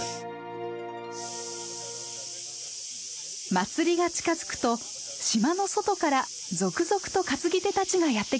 祭りが近づくと島の外から続々と担ぎ手たちがやって来ます。